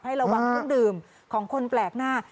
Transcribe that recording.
ระวังเครื่องดื่มของคนแปลกหน้า